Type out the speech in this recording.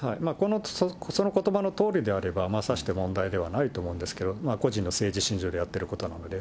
そのことばのとおりであれば、さして問題ではないと思うんですけど、個人の政治信条でやってることなので。